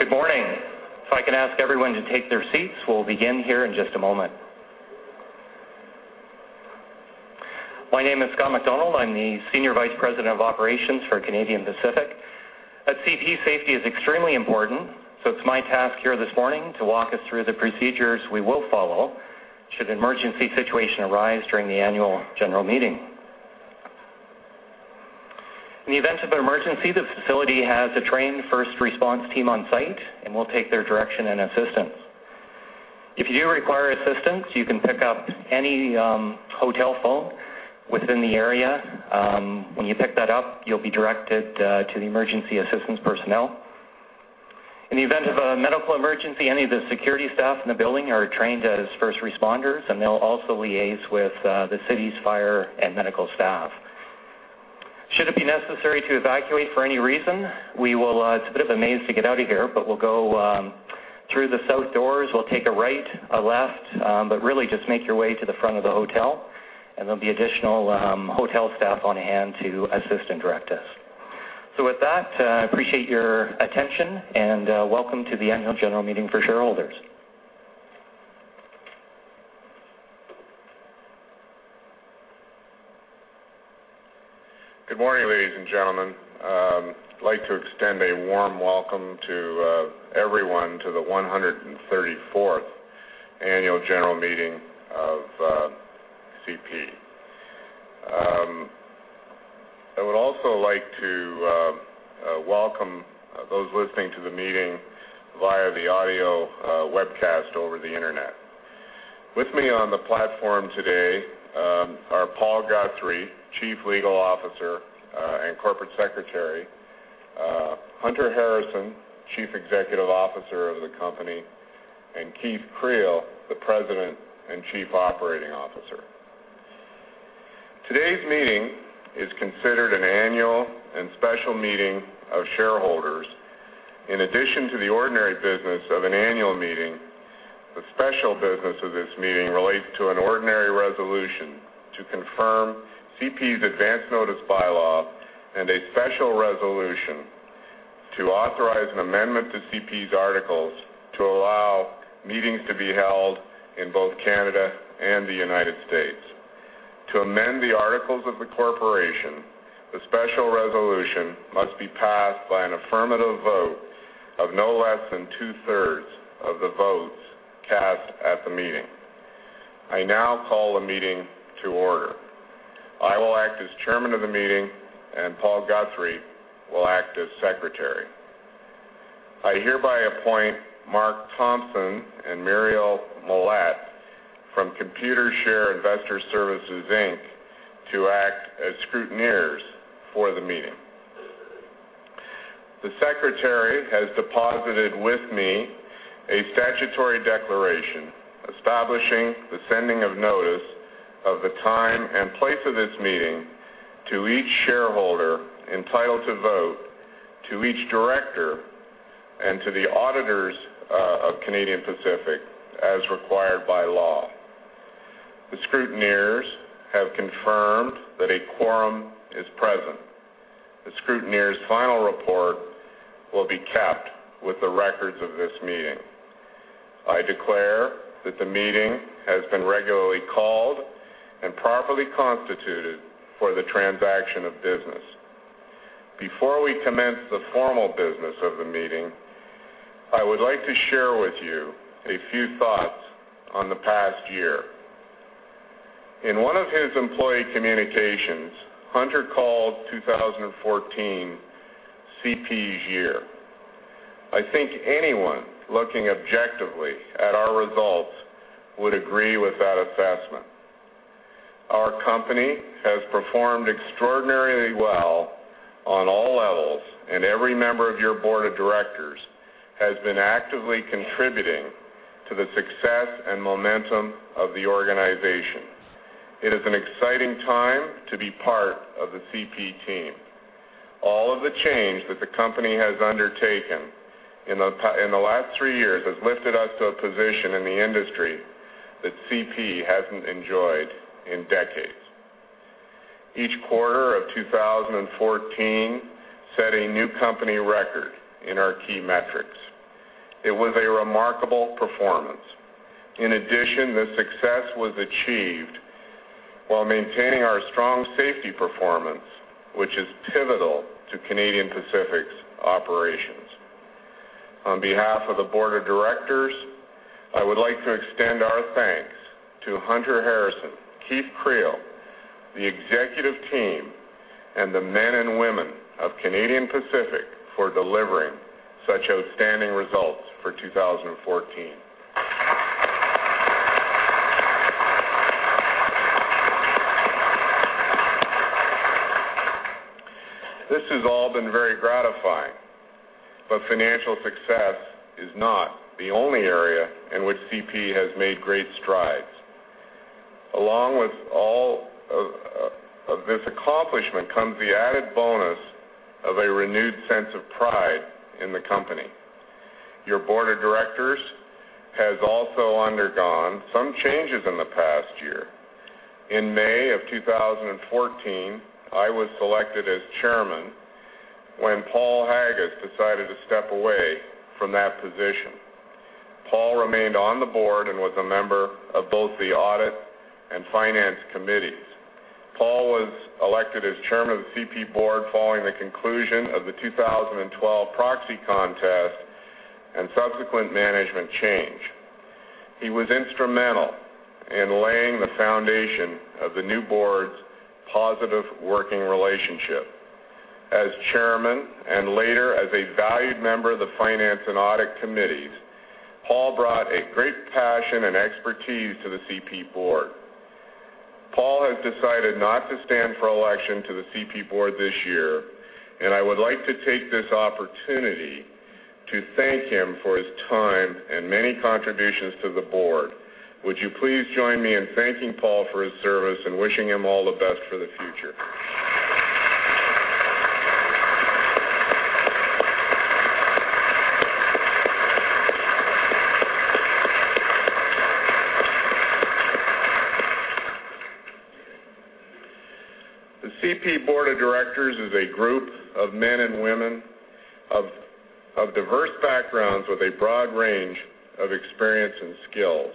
Good morning. If I can ask everyone to take their seats, we'll begin here in just a moment. My name is Scott MacDonald. I'm the Senior Vice President of Operations for Canadian Pacific. At CP, safety is extremely important, so it's my task here this morning to walk us through the procedures we will follow should an emergency situation arise during the annual general meeting. In the event of an emergency, the facility has a trained first response team on site, and we'll take their direction and assistance. If you do require assistance, you can pick up any hotel phone within the area. When you pick that up, you'll be directed to the emergency assistance personnel. In the event of a medical emergency, any of the security staff in the building are trained as first responders, and they'll also liaise with the city's fire and medical staff. Should it be necessary to evacuate for any reason, we will (it's a bit of a maze to get out of here) but we'll go through the south doors. We'll take a right, a left, but really just make your way to the front of the hotel, and there'll be additional hotel staff on hand to assist and direct us. So with that, I appreciate your attention and welcome to the annual general meeting for shareholders. Good morning, ladies and gentlemen. I'd like to extend a warm welcome to everyone to the 134th annual general meeting of CP. I would also like to welcome those listening to the meeting via the audio webcast over the internet. With me on the platform today are Paul Guthrie, Chief Legal Officer and Corporate Secretary, Hunter Harrison, Chief Executive Officer of the company, and Keith Creel, the President and Chief Operating Officer. Today's meeting is considered an annual and special meeting of shareholders. In addition to the ordinary business of an annual meeting, the special business of this meeting relates to an ordinary resolution to confirm CP's Advance Notice Bylaw and a special resolution to authorize an amendment to CP's articles to allow meetings to be held in both Canada and the United States. To amend the articles of the corporation, the special resolution must be passed by an affirmative vote of no less than two-thirds of the votes cast at the meeting. I now call the meeting to order. I will act as Chairman of the meeting, and Paul Guthrie will act as Secretary. I hereby appoint Mark Thompson and Muriel Mallette from Computershare Investor Services Inc., to act as scrutineers for the meeting. The Secretary has deposited with me a statutory declaration establishing the sending of notice of the time and place of this meeting to each shareholder entitled to vote, to each director, and to the auditors of Canadian Pacific as required by law. The scrutineers have confirmed that a quorum is present. The scrutineer's final report will be kept with the records of this meeting. I declare that the meeting has been regularly called and properly constituted for the transaction of business. Before we commence the formal business of the meeting, I would like to share with you a few thoughts on the past year. In one of his employee communications, Hunter called 2014 CP's year. I think anyone looking objectively at our results would agree with that assessment. Our company has performed extraordinarily well on all levels, and every member of your board of directors has been actively contributing to the success and momentum of the organization. It is an exciting time to be part of the CP team. All of the change that the company has undertaken in the last three years has lifted us to a position in the industry that CP hasn't enjoyed in decades. Each quarter of 2014 set a new company record in our key metrics. It was a remarkable performance. In addition, this success was achieved while maintaining our strong safety performance, which is pivotal to Canadian Pacific's operations. On behalf of the board of directors, I would like to extend our thanks to Hunter Harrison, Keith Creel, the executive team, and the men and women of Canadian Pacific for delivering such outstanding results for 2014. This has all been very gratifying, but financial success is not the only area in which CP has made great strides. Along with all of this accomplishment comes the added bonus of a renewed sense of pride in the company. Your board of directors has also undergone some changes in the past year. In May of 2014, I was selected as Chairman when Paul Haggis decided to step away from that position. Paul remained on the board and was a member of both the audit and finance committees. Paul was elected as Chairman of the CP Board following the conclusion of the 2012 proxy contest and subsequent management change. He was instrumental in laying the foundation of the new board's positive working relationship. As Chairman and later as a valued member of the finance and audit committees, Paul brought a great passion and expertise to the CP Board. Paul has decided not to stand for election to the CP Board this year, and I would like to take this opportunity to thank him for his time and many contributions to the board. Would you please join me in thanking Paul for his service and wishing him all the best for the future? The CP board of directors is a group of men and women of diverse backgrounds with a broad range of experience and skills.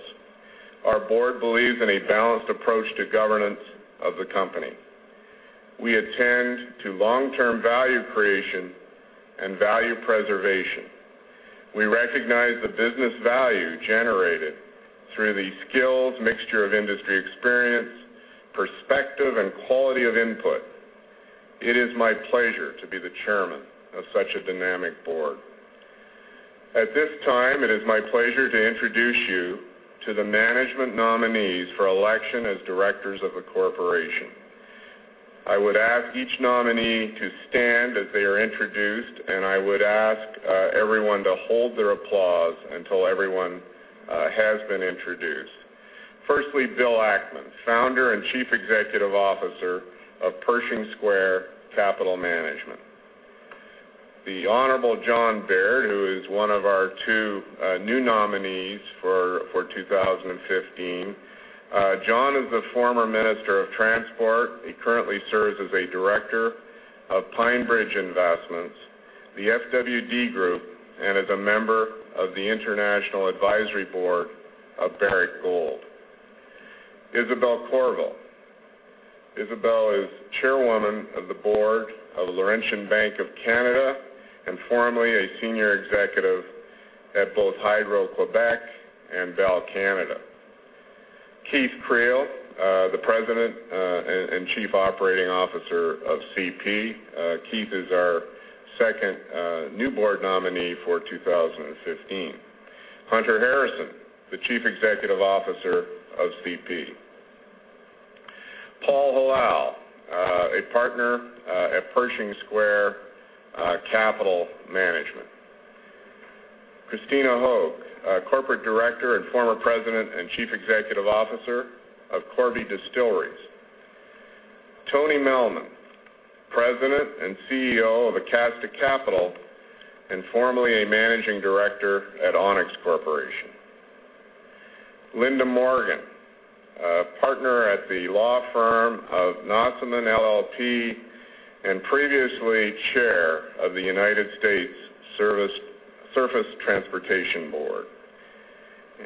Our board believes in a balanced approach to governance of the company. We attend to long-term value creation and value preservation. We recognize the business value generated through the skills mixture of industry experience, perspective, and quality of input. It is my pleasure to be the Chairman of such a dynamic board. At this time, it is my pleasure to introduce you to the management nominees for election as directors of the corporation. I would ask each nominee to stand as they are introduced, and I would ask everyone to hold their applause until everyone has been introduced. Firstly, Bill Ackman, Founder and Chief Executive Officer of Pershing Square Capital Management. The Honorable John Baird, who is one of our two new nominees for 2015. John is the former Minister of Transport. He currently serves as a Director of PineBridge Investments, the FWD Group, and is a member of the International Advisory Board of Barrick Gold. Isabelle Courville. Isabelle is Chairwoman of the Board of Laurentian Bank of Canada and formerly a Senior Executive at both Hydro-Québec and Bell Canada. Keith Creel, the President and Chief Operating Officer of CP. Keith is our second new board nominee for 2015. Hunter Harrison, the Chief Executive Officer of CP. Paul Hilal, a partner at Pershing Square Capital Management. Krystyne Hoeg, Corporate Director and former President and Chief Executive Officer of Corby Distilleries. Anthony Melman, President and CEO of Acasta Capital and formerly a Managing Director at Onex Corporation. Linda Morgan, partner at the law firm of Nossaman LLP and previously Chair of the United States Surface Transportation Board.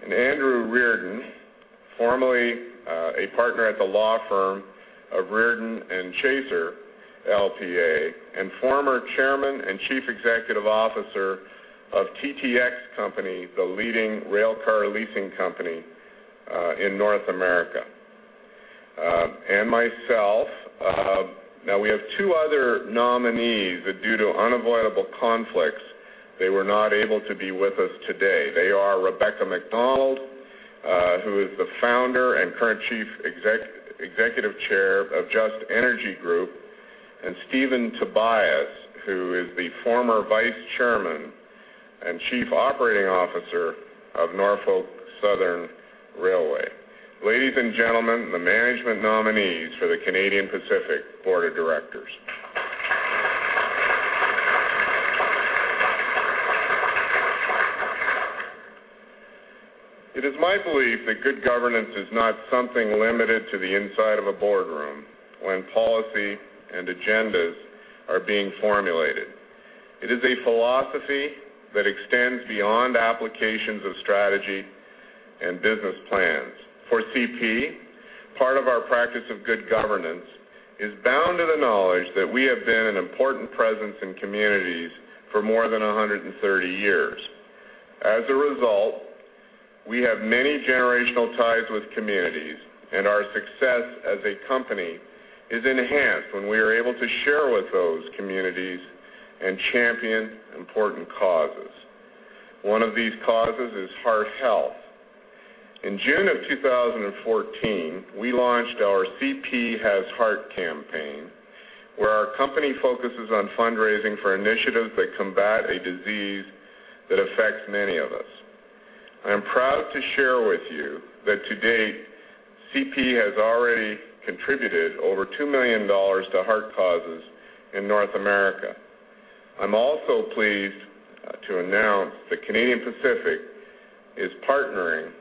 Andrew Reardon, formerly a partner at the law firm of Reardon & Chastang and former Chairman and Chief Executive Officer of TTX Company, the leading railcar leasing company in North America. And myself. Now, we have two other nominees that, due to unavoidable conflicts, they were not able to be with us today. They are Rebecca MacDonald, who is the Founder and current Chief Executive Chair of Just Energy Group, and Stephen Tobias, who is the former Vice Chairman and Chief Operating Officer of Norfolk Southern Railway. Ladies and gentlemen, the management nominees for the Canadian Pacific Board of Directors. It is my belief that good governance is not something limited to the inside of a boardroom when policy and agendas are being formulated. It is a philosophy that extends beyond applications of strategy and business plans. For CP, part of our practice of good governance is bound to the knowledge that we have been an important presence in communities for more than 130 years. As a result, we have many generational ties with communities, and our success as a company is enhanced when we are able to share with those communities and champion important causes. One of these causes is heart health. In June of 2014, we launched our CP Has Heart campaign, where our company focuses on fundraising for initiatives that combat a disease that affects many of us. I am proud to share with you that to date, CP has already contributed over 2 million dollars to heart causes in North America. I'm also pleased to announce that Canadian Pacific is partnering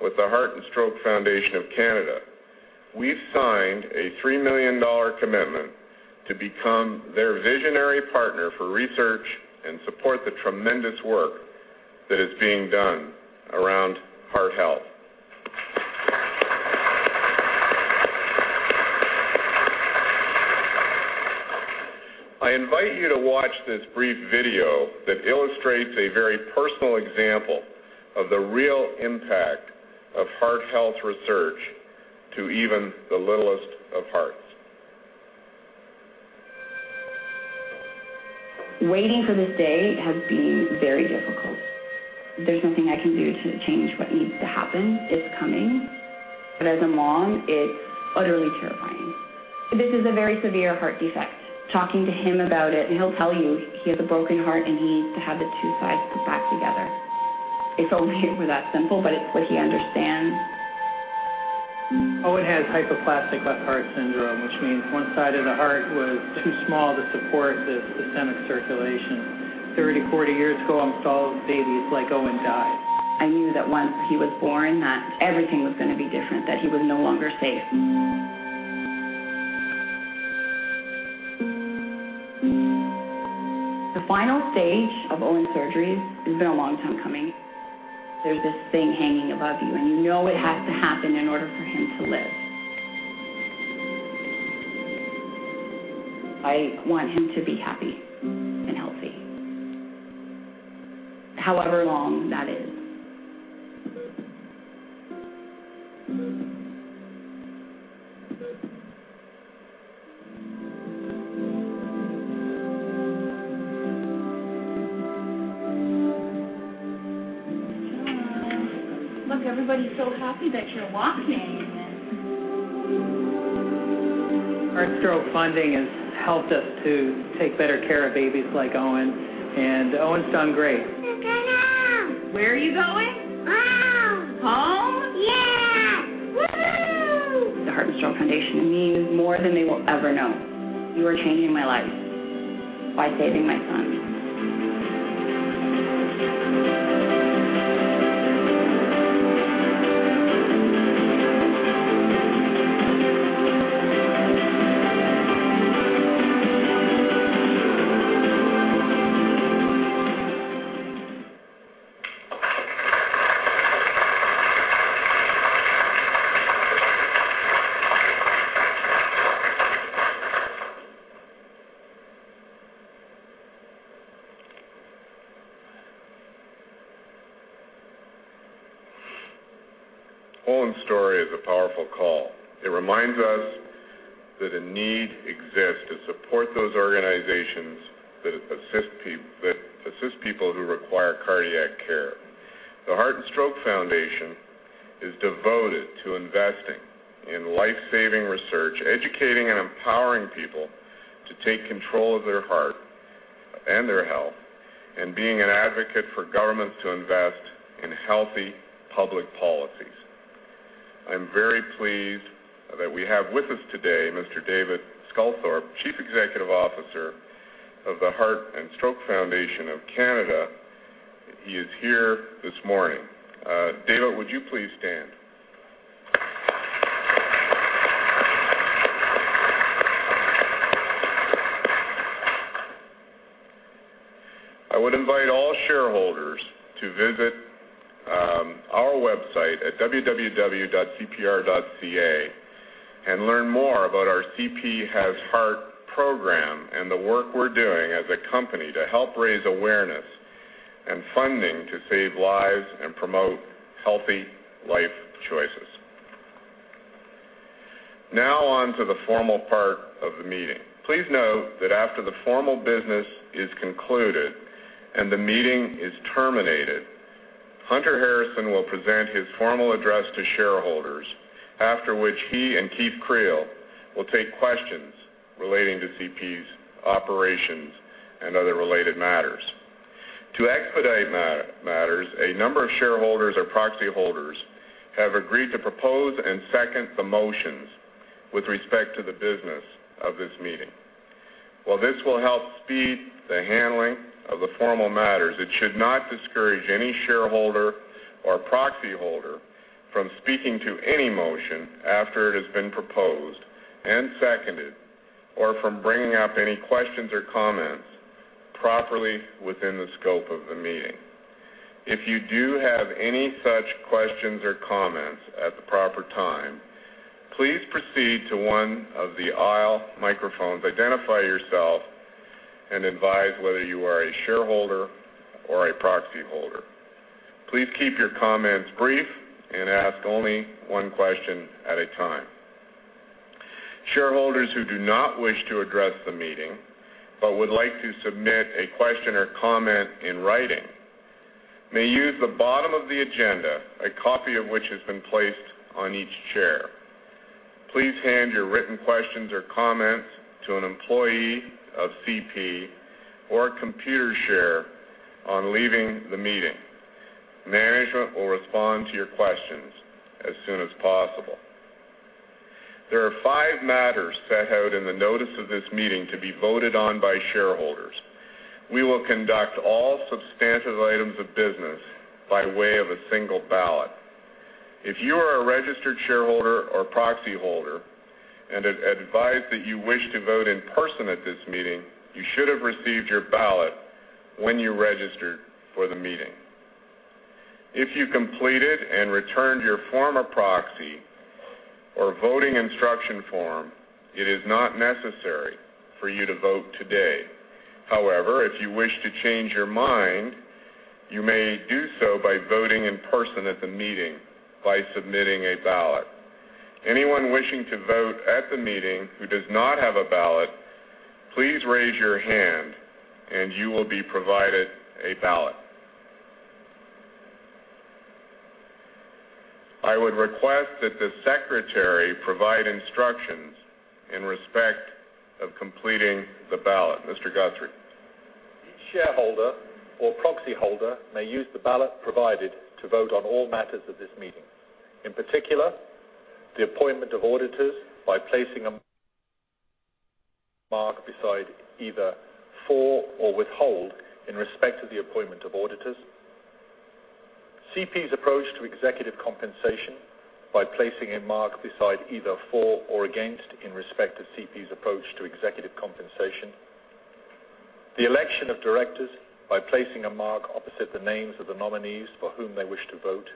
with the Heart and Stroke Foundation of Canada. We've signed a 3 million dollar commitment to become their visionary partner for research and support the tremendous work that is being done around heart health. I invite you to watch this brief video that illustrates a very personal example of the real impact of heart health research to even the littlest of hearts. Waiting for this day has been very difficult. There's nothing I can do to change what needs to happen. It's coming. But as a mom, it's utterly terrifying. This is a very severe heart defect. Talking to him about it, he'll tell you he has a broken heart and he needs to have the two sides put back together. It's only that simple, but it's what he understands. Owen has Hypoplastic Left Heart Syndrome, which means one side of the heart was too small to support the systemic circulation. 30, 40 years ago, I saw babies like Owen die. I knew that once he was born, that everything was going to be different, that he was no longer safe. The final stage of Owen's surgeries has been a long time coming. There's this thing hanging above you, and you know it has to happen in order for him to live. I want him to be happy and healthy, however long that is. John, look, everybody's so happy that you're walking. Heart and Stroke funding has helped us to take better care of babies like Owen, and Owen's done great. No, no, no. Where are you going? Home. Home? Yes. Woo-hoo! The Heart and Stroke Foundation means more than they will ever know. You are changing my life by saving my son. Owen's story is a powerful call. It reminds us that a need exists to support those organizations that assist people who require cardiac care. The Heart and Stroke Foundation is devoted to investing in lifesaving research, educating and empowering people to take control of their heart and their health, and being an advocate for governments to invest in healthy public policies. I'm very pleased that we have with us today Mr. David Sculthorpe, Chief Executive Officer of the Heart and Stroke Foundation of Canada. He is here this morning. David, would you please stand? I would invite all shareholders to visit our website at www.cpr.ca and learn more about our CP Has Heart program and the work we're doing as a company to help raise awareness and funding to save lives and promote healthy life choices. Now on to the formal part of the meeting. Please note that after the formal business is concluded and the meeting is terminated, Hunter Harrison will present his formal address to shareholders, after which he and Keith Creel will take questions relating to CP's operations and other related matters. To expedite matters, a number of shareholders or proxy holders have agreed to propose and second the motions with respect to the business of this meeting. While this will help speed the handling of the formal matters, it should not discourage any shareholder or proxy holder from speaking to any motion after it has been proposed and seconded, or from bringing up any questions or comments properly within the scope of the meeting. If you do have any such questions or comments at the proper time, please proceed to one of the aisle microphones, identify yourself, and advise whether you are a shareholder or a proxy holder. Please keep your comments brief and ask only one question at a time. Shareholders who do not wish to address the meeting but would like to submit a question or comment in writing may use the bottom of the agenda, a copy of which has been placed on each chair. Please hand your written questions or comments to an employee of CP or a Computershare on leaving the meeting. Management will respond to your questions as soon as possible. There are five matters set out in the notice of this meeting to be voted on by shareholders. We will conduct all substantive items of business by way of a single ballot. If you are a registered shareholder or proxy holder and advise that you wish to vote in person at this meeting, you should have received your ballot when you registered for the meeting. If you completed and returned your form of proxy or voting instruction form, it is not necessary for you to vote today. However, if you wish to change your mind, you may do so by voting in person at the meeting by submitting a ballot. Anyone wishing to vote at the meeting who does not have a ballot, please raise your hand and you will be provided a ballot. I would request that the Secretary provide instructions in respect of completing the ballot. Mr. Guthrie. Each shareholder or proxy holder may use the ballot provided to vote on all matters of this meeting. In particular, the appointment of auditors by placing a mark beside either for or withhold in respect to the appointment of auditors. CP's approach to executive compensation by placing a mark beside either for or against in respect to CP's approach to executive compensation. The election of directors by placing a mark opposite the names of the nominees for whom they wish to vote.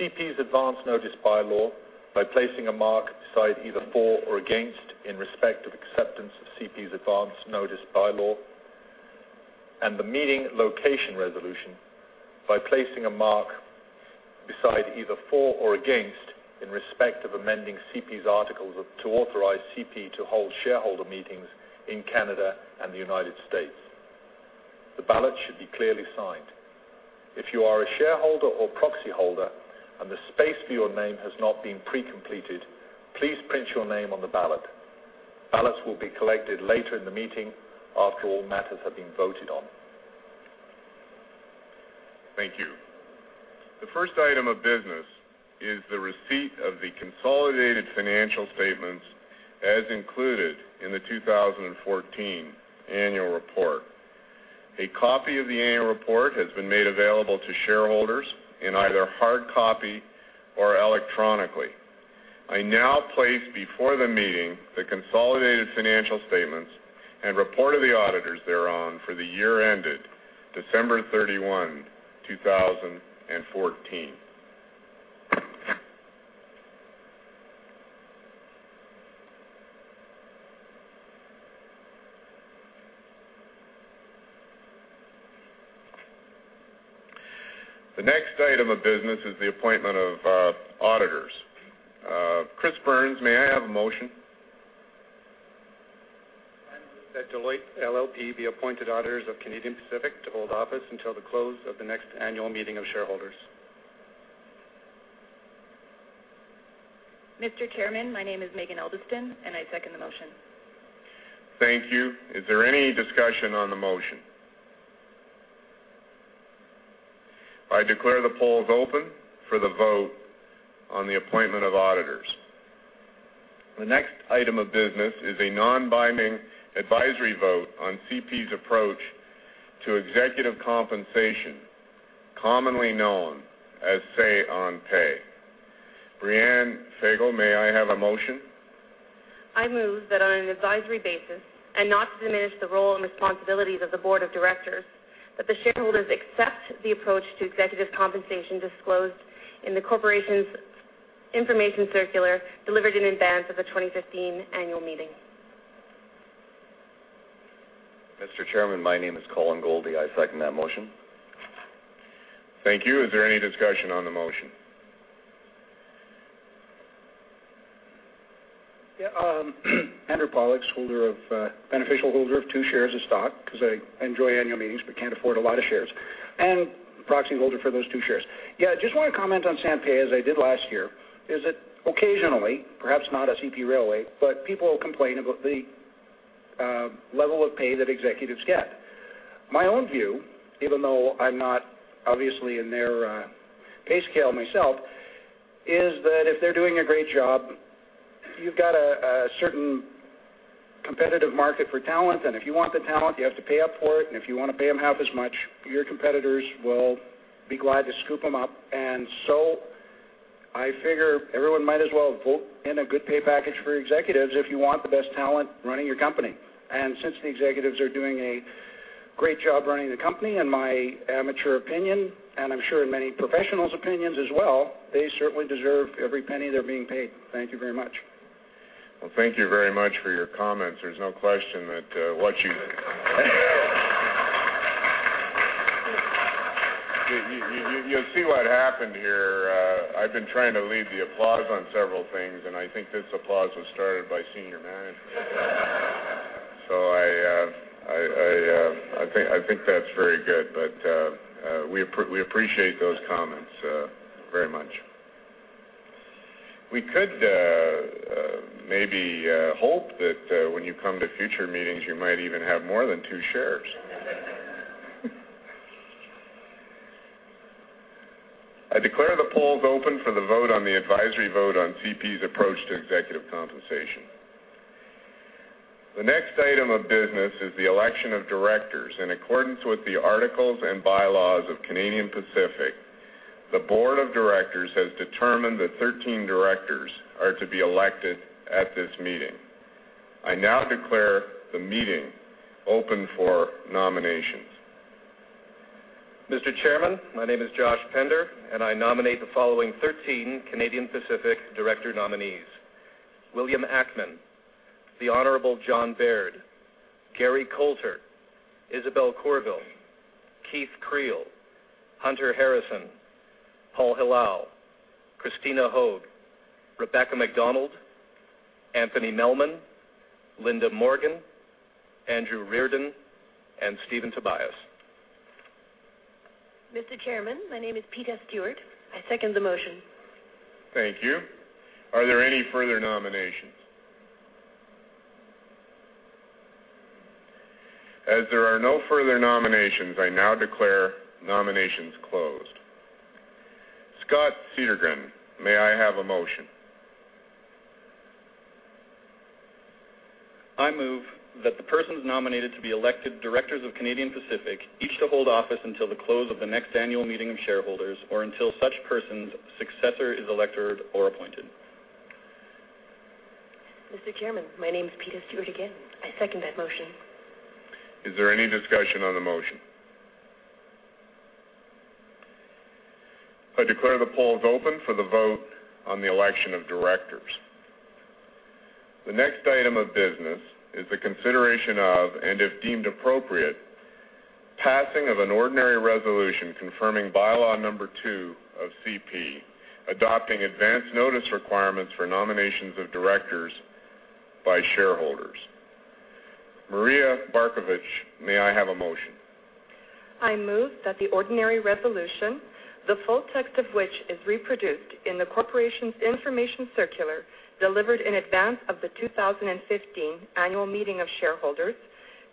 CP's advance notice bylaw by placing a mark beside either for or against in respect of acceptance of CP's advance notice bylaw. The meeting location resolution by placing a mark beside either for or against in respect of amending CP's articles to authorize CP to hold shareholder meetings in Canada and the United States. The ballot should be clearly signed. If you are a shareholder or proxy holder and the space for your name has not been pre-completed, please print your name on the ballot. Ballots will be collected later in the meeting after all matters have been voted on. Thank you. The first item of business is the receipt of the consolidated financial statements as included in the 2014 annual report. A copy of the annual report has been made available to shareholders in either hard copy or electronically. I now place before the meeting the consolidated financial statements and report of the auditors thereon for the year ended December 31, 2014. The next item of business is the appointment of auditors. Chris Burns, may I have a motion? I move that Deloitte LLP be appointed auditors of Canadian Pacific to hold office until the close of the next annual meeting of shareholders. Mr. Chairman, my name is Maeghan Albiston, and I second the motion. Thank you. Is there any discussion on the motion? I declare the polls open for the vote on the appointment of auditors. The next item of business is a non-binding advisory vote on CP's approach to executive compensation, commonly known as say-on-pay. Breanne Feigel, may I have a motion? I move that on an advisory basis and not to diminish the role and responsibilities of the Board of Directors, that the shareholders accept the approach to executive compensation disclosed in the corporation's information circular delivered in advance of the 2015 annual meeting. Mr. Chairman, my name is Colin Goldie. I second that motion. Thank you. Is there any discussion on the motion? Yeah. Andrew Pollock, beneficial holder of 2 shares of stock because I enjoy annual meetings but can't afford a lot of shares, and proxy holder for those 2 shares. Yeah, I just want to comment on Say-on-Pay as I did last year. That is occasionally, perhaps not at CP Railway, but people complain about the level of pay that executives get. My own view, even though I'm not obviously in their pay scale myself, is that if they're doing a great job, you've got a certain competitive market for talent, and if you want the talent, you have to pay up for it, and if you want to pay them half as much, your competitors will be glad to scoop them up. So I figure everyone might as well vote in a good pay package for executives if you want the best talent running your company. Since the executives are doing a great job running the company, in my amateur opinion, and I'm sure in many professionals' opinions as well, they certainly deserve every penny they're being paid. Thank you very much. Well, thank you very much for your comments. There's no question that what you'll see what happened here. I've been trying to lead the applause on several things, and I think this applause was started by senior managers. So I think that's very good, but we appreciate those comments very much. We could maybe hope that when you come to future meetings, you might even have more than two shares. I declare the polls open for the vote on the advisory vote on CP's approach to executive compensation. The next item of business is the election of directors. In accordance with the articles and bylaws of Canadian Pacific, the board of directors has determined that 13 directors are to be elected at this meeting. I now declare the meeting open for nominations. Mr. Chairman, my name is Josh Pender, and I nominate the following 13 Canadian Pacific director nominees: William Ackman, the Honorable John Baird, Gary Colter, Isabelle Courville, Keith Creel, Hunter Harrison, Paul Hilal, Krystyne Hoeg, Rebecca MacDonald, Anthony Melman, Linda Morgan, Andrew Reardon, and Stephen Tobias. Mr. Chairman, my name is Peter Stewart. I second the motion. Thank you. Are there any further nominations? As there are no further nominations, I now declare nominations closed. Scott Cedergren, may I have a motion? I move that the persons nominated to be elected directors of Canadian Pacific each to hold office until the close of the next annual meeting of shareholders or until such person's successor is elected or appointed. Mr. Chairman, my name is Peter Stewart again. I second that motion. Is there any discussion on the motion? I declare the polls open for the vote on the election of directors. The next item of business is the consideration of, and if deemed appropriate, passing of an ordinary resolution confirming bylaw number two of CP, adopting advance notice requirements for nominations of directors by shareholders. Maria Barkovic, may I have a motion? I move that the ordinary resolution, the full text of which is reproduced in the corporation's information circular delivered in advance of the 2015 annual meeting of shareholders,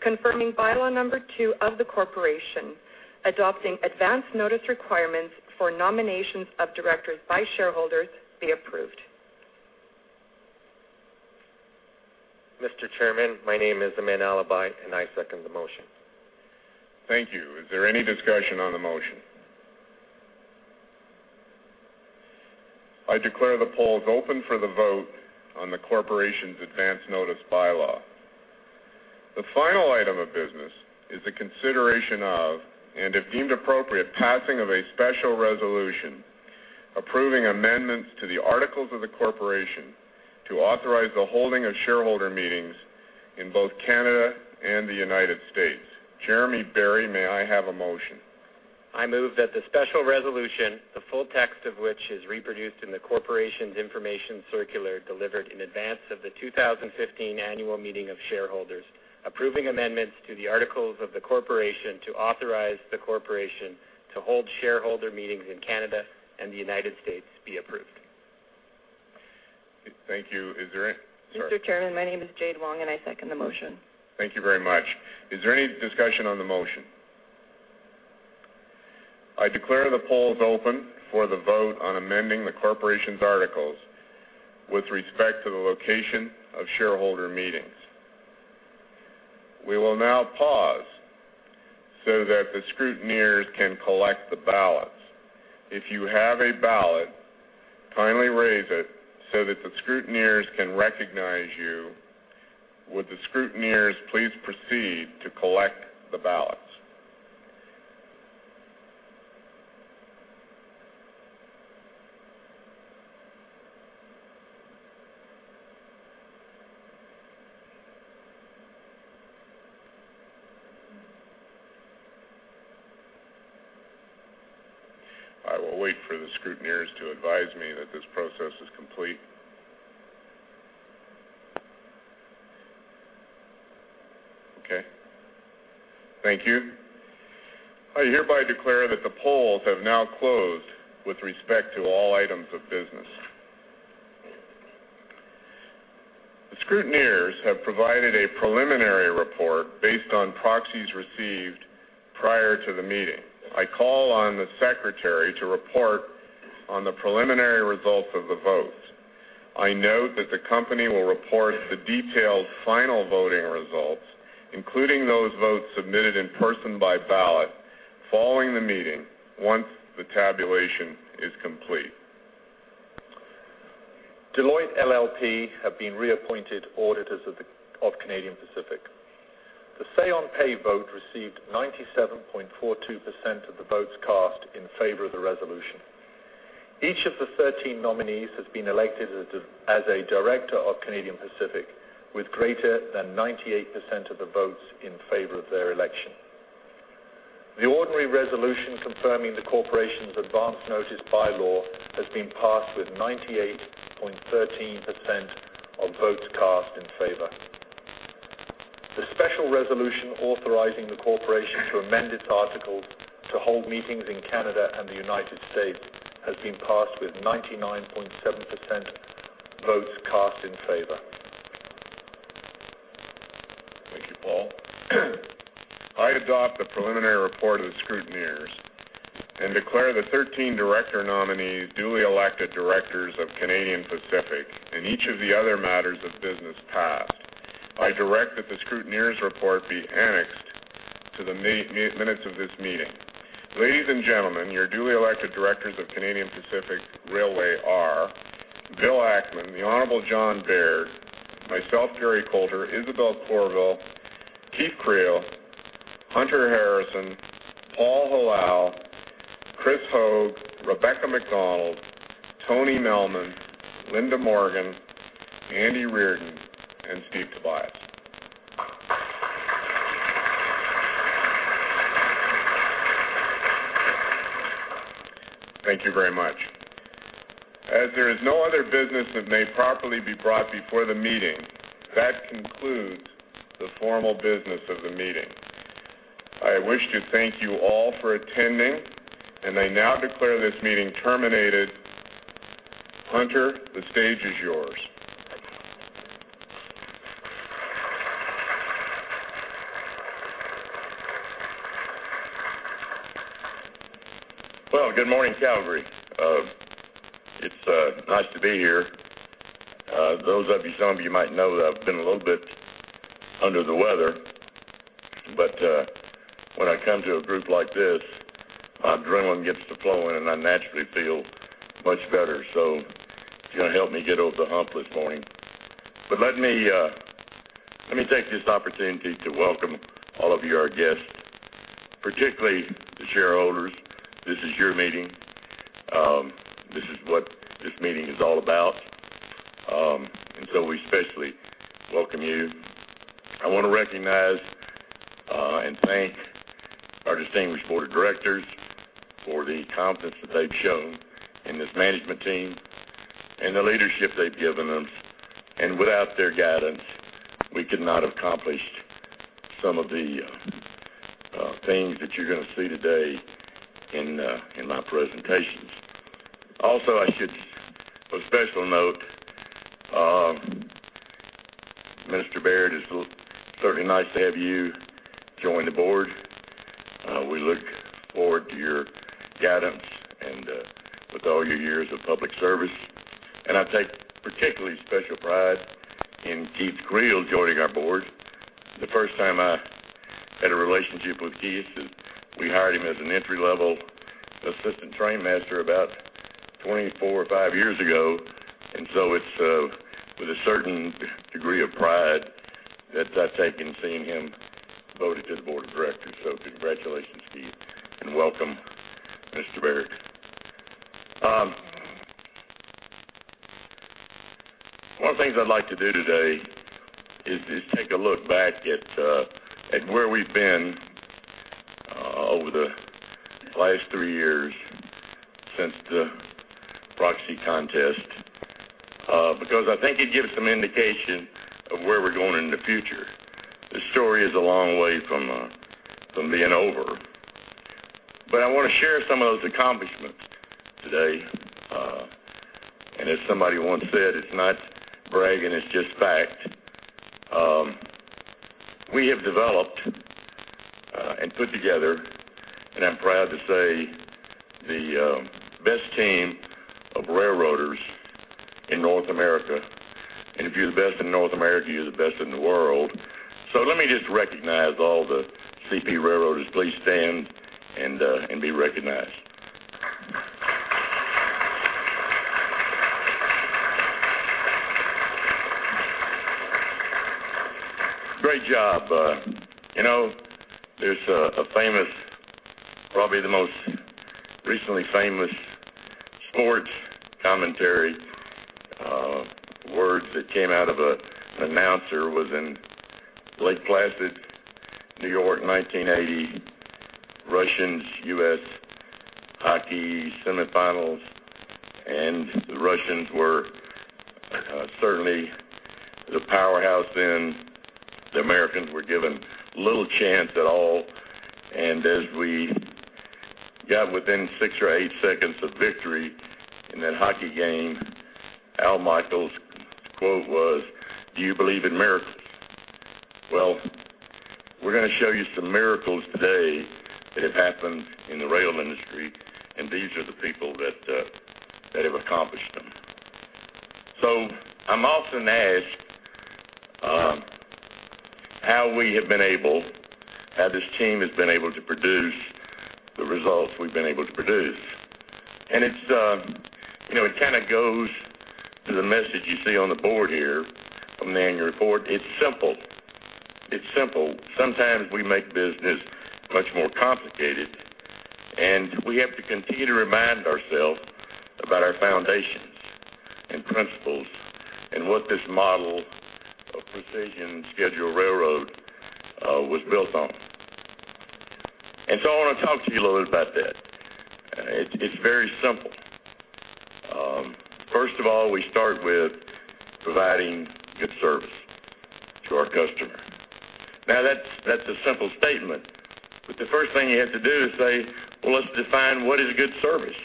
confirming Bylaw Number 2 of the corporation, adopting advance notice requirements for nominations of directors by shareholders, be approved. Mr. Chairman, my name is Aman Alibhai, and I second the motion. Thank you. Is there any discussion on the motion? I declare the polls open for the vote on the corporation's Advance Notice Bylaw. The final item of business is the consideration of, and if deemed appropriate, passing of a Special Resolution approving amendments to the articles of the corporation to authorize the holding of shareholder meetings in both Canada and the United States. Jeremy Berry, may I have a motion? I move that the special resolution, the full text of which is reproduced in the corporation's information circular delivered in advance of the 2015 annual meeting of shareholders, approving amendments to the articles of the corporation to authorize the corporation to hold shareholder meetings in Canada and the United States, be approved. Thank you. Is there any sorry. Mr. Chairman, my name is Jade Wong, and I second the motion. Thank you very much. Is there any discussion on the motion? I declare the polls open for the vote on amending the corporation's articles with respect to the location of shareholder meetings. We will now pause so that the scrutineers can collect the ballots. If you have a ballot, kindly raise it so that the scrutineers can recognize you. Would the scrutineers please proceed to collect the ballots? I will wait for the scrutineers to advise me that this process is complete. Okay. Thank you. I hereby declare that the polls have now closed with respect to all items of business. The scrutineers have provided a preliminary report based on proxies received prior to the meeting. I call on the Secretary to report on the preliminary results of the votes. I note that the company will report the detailed final voting results, including those votes submitted in person by ballot following the meeting once the tabulation is complete. Deloitte LLP have been reappointed auditors of Canadian Pacific. The say-on-pay vote received 97.42% of the votes cast in favor of the resolution. Each of the 13 nominees has been elected as a director of Canadian Pacific with greater than 98% of the votes in favor of their election. The ordinary resolution confirming the corporation's advance notice bylaw has been passed with 98.13% of votes cast in favor. The special resolution authorizing the corporation to amend its articles to hold meetings in Canada and the United States has been passed with 99.7% votes cast in favor. Thank you, Paul. I adopt the preliminary report of the scrutineers and declare the 13 director nominees duly elected directors of Canadian Pacific, and each of the other matters of business passed. I direct that the scrutineers' report be annexed to the minutes of this meeting. Ladies and gentlemen, your duly elected directors of Canadian Pacific Railway are Bill Ackman, the Honorable John Baird, myself, Gary Colter, Isabelle Courville, Keith Creel, Hunter Harrison, Paul Hilal, Chris Hoeg, Rebecca MacDonald, Tony Melman, Linda Morgan, Andy Reardon, and Steve Tobias. Thank you very much. As there is no other business that may properly be brought before the meeting, that concludes the formal business of the meeting. I wish to thank you all for attending, and I now declare this meeting terminated. Hunter, the stage is yours. Well, good morning, Calgary. It's nice to be here. Those of you, some of you might know that I've been a little bit under the weather, but when I come to a group like this, my adrenaline gets to flowing, and I naturally feel much better. So it's going to help me get over the hump this morning. But let me take this opportunity to welcome all of you, our guests, particularly the shareholders. This is your meeting. This is what this meeting is all about. And so we especially welcome you. I want to recognize and thank our distinguished board of directors for the confidence that they've shown in this management team and the leadership they've given us. And without their guidance, we could not have accomplished some of the things that you're going to see today in my presentations. Also, I should special note, Mr. Baird, it's certainly nice to have you join the board. We look forward to your guidance and with all your years of public service. I take particularly special pride in Keith Creel joining our board. The first time I had a relationship with Keith is we hired him as an entry-level assistant train master about 24 or 25 years ago. So it's with a certain degree of pride that I take in seeing him voted to the board of directors. So congratulations, Keith, and welcome, Mr. Baird. One of the things I'd like to do today is take a look back at where we've been over the last three years since the proxy contest because I think it gives some indication of where we're going in the future. This story is a long way from being over. I want to share some of those accomplishments today. And as somebody once said, it's not bragging. It's just fact. We have developed and put together, and I'm proud to say, the best team of railroaders in North America. And if you're the best in North America, you're the best in the world. So let me just recognize all the CP railroaders. Please stand and be recognized. Great job. There's a famous, probably the most recently famous sports commentary. Words that came out of an announcer was in Lake Placid, New York, 1980, Russians, US hockey semifinals. And the Russians were certainly the powerhouse then. The Americans were given little chance at all. As we got within 6 or 8 seconds of victory in that hockey game, Al Michaels' quote was, "Do you believe in miracles?" Well, we're going to show you some miracles today that have happened in the rail industry, and these are the people that have accomplished them. I'm often asked how we have been able, how this team has been able to produce the results we've been able to produce. It kind of goes to the message you see on the board here from the annual report. It's simple. It's simple. Sometimes we make business much more complicated. We have to continue to remind ourselves about our foundations and principles and what this model of Precision Scheduled Railroading was built on. I want to talk to you a little bit about that. It's very simple. First of all, we start with providing good service to our customer. Now, that's a simple statement. But the first thing you have to do is say, "Well, let's define what is good service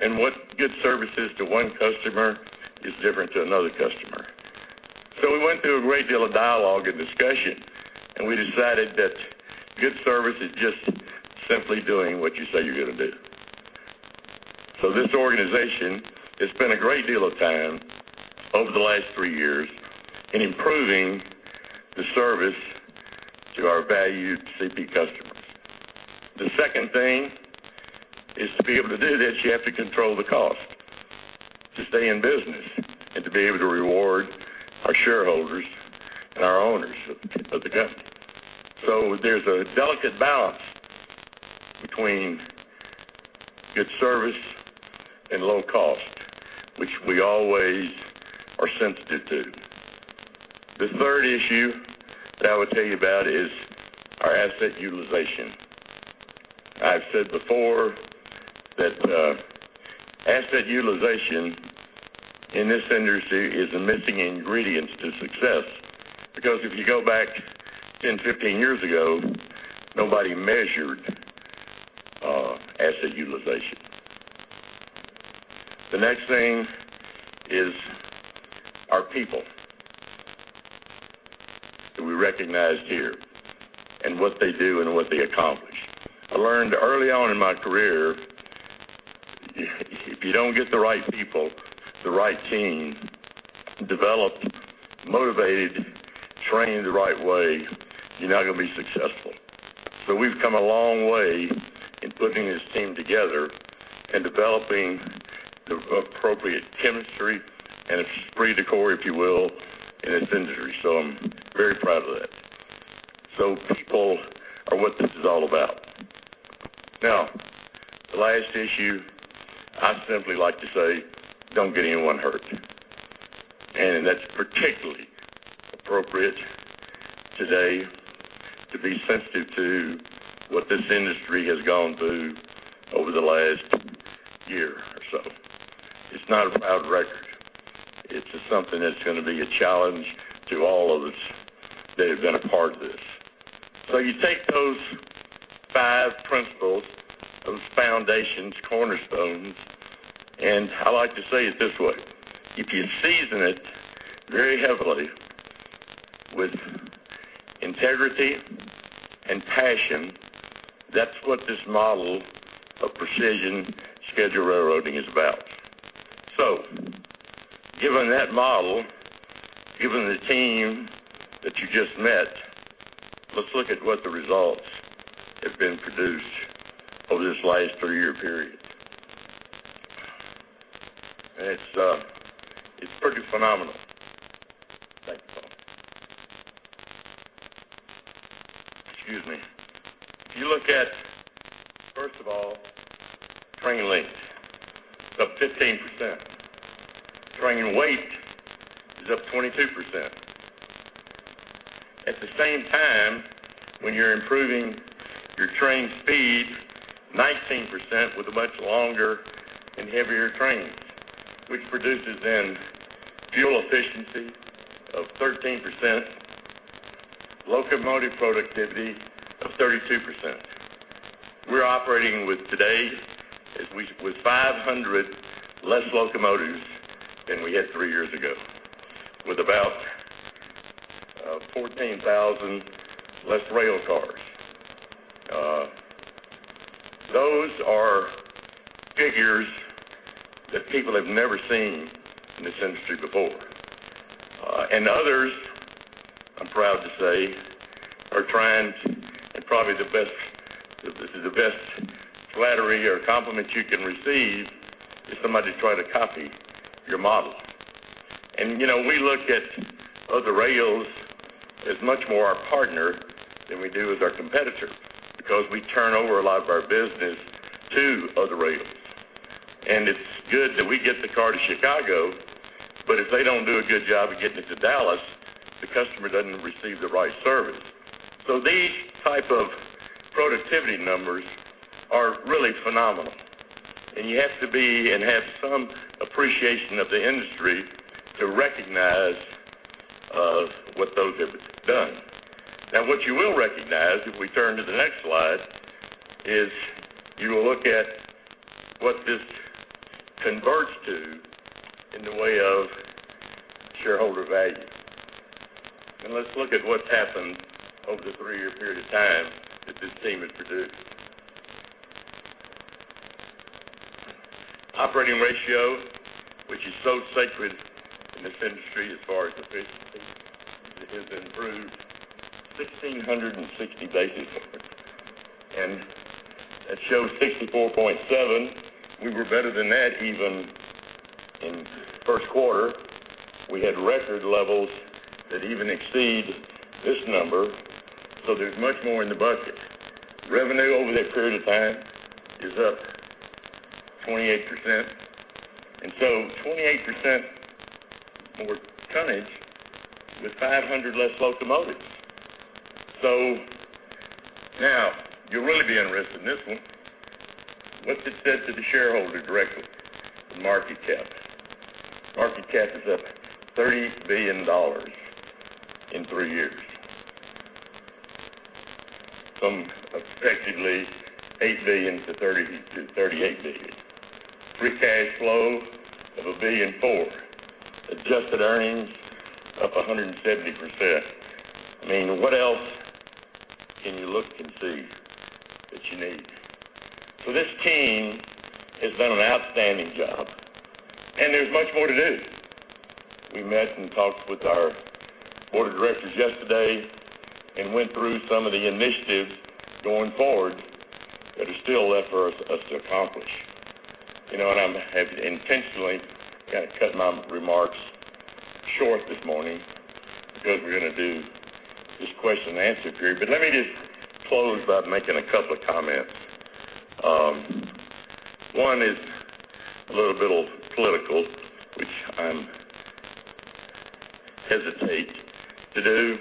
and what good services to one customer is different to another customer." So we went through a great deal of dialogue and discussion, and we decided that good service is just simply doing what you say you're going to do. So this organization has spent a great deal of time over the last three years in improving the service to our valued CP customers. The second thing is to be able to do that, you have to control the cost to stay in business and to be able to reward our shareholders and our owners of the company. So there's a delicate balance between good service and low cost, which we always are sensitive to. The third issue that I would tell you about is our asset utilization. I've said before that asset utilization in this industry is a missing ingredient to success because if you go back 10, 15 years ago, nobody measured asset utilization. The next thing is our people that we recognize here and what they do and what they accomplish. I learned early on in my career, if you don't get the right people, the right team, developed, motivated, trained the right way, you're not going to be successful. So we've come a long way in putting this team together and developing the appropriate chemistry and esprit de corps, if you will, in this industry. So I'm very proud of that. So people are what this is all about. Now, the last issue, I simply like to say, "Don't get anyone hurt." That's particularly appropriate today to be sensitive to what this industry has gone through over the last year or so. It's not a proud record. It's something that's going to be a challenge to all of us that have been a part of this. You take those five principles, those foundations, cornerstones, and I like to say it this way, if you season it very heavily with integrity and passion, that's what this model of Precision Scheduled Railroading is about. Given that model, given the team that you just met, let's look at what the results have been produced over this last three-year period. It's pretty phenomenal. Thank you, Paul. Excuse me. If you look at, first of all, train length, it's up 15%. Train weight is up 22%. At the same time, when you're improving your train speed 19% with much longer and heavier trains, which produces then fuel efficiency of 13%, locomotive productivity of 32%. We're operating with today with 500 less locomotives than we had three years ago with about 14,000 less railcars. Those are figures that people have never seen in this industry before. And others, I'm proud to say, are trying to and probably the best flattery or compliment you can receive is somebody try to copy your model. And we look at other rails as much more our partner than we do as our competitor because we turn over a lot of our business to other rails. And it's good that we get the car to Chicago, but if they don't do a good job of getting it to Dallas, the customer doesn't receive the right service. So these type of productivity numbers are really phenomenal. And you have to be and have some appreciation of the industry to recognize what those have done. Now, what you will recognize if we turn to the next slide is you will look at what this converts to in the way of shareholder value. And let's look at what's happened over the three-year period of time that this team has produced. Operating Ratio, which is so sacred in this industry as far as efficiency, has improved 1,660 basis points. And that shows 64.7. We were better than that even in first quarter. We had record levels that even exceed this number. So there's much more in the bucket. Revenue over that period of time is up 28%. And so 28% more tonnage with 500 less locomotives. So now you'll really be interested in this one. What's it said to the shareholder directly? The market cap. Market cap is up $30 billion in 3 years, from effectively $8 billion to $38 billion. Free cash flow of $1.4 billion. Adjusted earnings up 170%. I mean, what else can you look and see that you need? So this team has done an outstanding job. There's much more to do. We met and talked with our board of directors yesterday and went through some of the initiatives going forward that are still left for us to accomplish. I have intentionally got to cut my remarks short this morning because we're going to do this question-and-answer period. But let me just close by making a couple of comments. One is a little bit political, which I hesitate to do.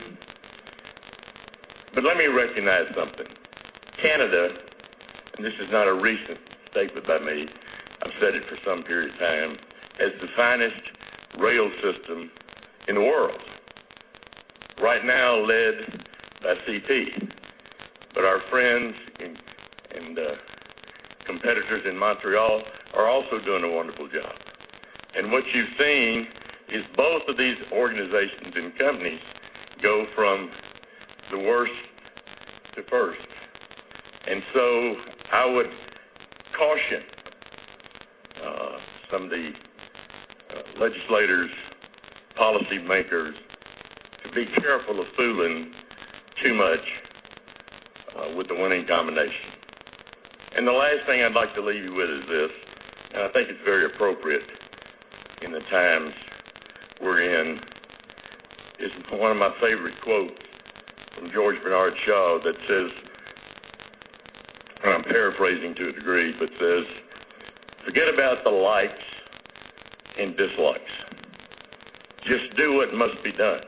But let me recognize something. Canada, and this is not a recent statement by me. I've said it for some period of time, has the finest rail system in the world, right now led by CP. But our friends and competitors in Montreal are also doing a wonderful job. What you've seen is both of these organizations and companies go from the worst to first. So I would caution some of the legislators, policymakers, to be careful of fooling too much with the winning combination. The last thing I'd like to leave you with is this, and I think it's very appropriate in the times we're in, is one of my favorite quotes from George Bernard Shaw that says, and I'm paraphrasing to a degree, but says, "Forget about the likes and dislikes. Just do what must be done.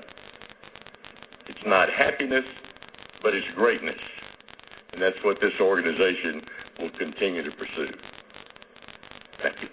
It's not happiness, but it's greatness." That's what this organization will continue to pursue. Thank you.